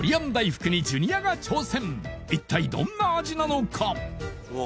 一体どんな味なのか？